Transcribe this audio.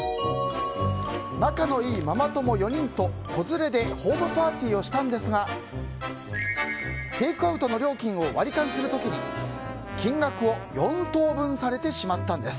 仲のいいママ友４人と子連れでホームパーティーをしたんですがテイクアウトの料金をワリカンする時に金額を４等分されてしまったんです。